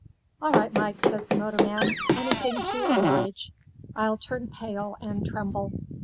"'All right, Mike,' says the motorman, 'anything to oblige. I'll turn pale and tremble.